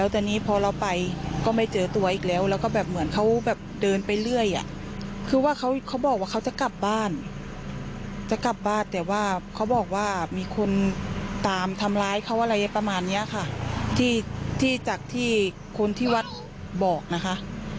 ที่จากที่คนที่วัดบอกนะฮะ